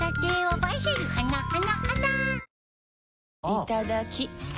いただきっ！